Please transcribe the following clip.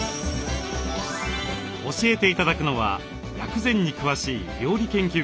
教えて頂くのは薬膳に詳しい料理研究家の